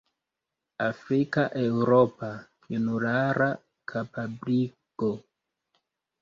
"Afrika-Eŭropa junulara kapabligo".